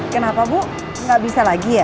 kenapa bu nggak bisa lagi ya